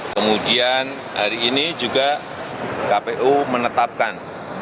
kemudian hari ini juga kpu menetapkan